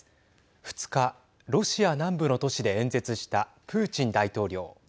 ２日ロシア南部の都市で演説したプーチン大統領。